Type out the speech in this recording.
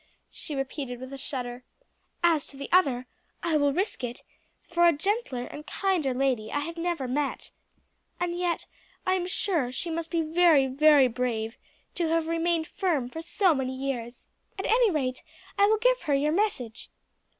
she repeated with a shudder. "As to the other, I will risk it; for a gentler and kinder lady I have never met. And yet I am sure she must be very, very brave to have remained firm for so many years. At any rate I will give her your message."